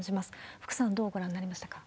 福さん、どうご覧になりましたか。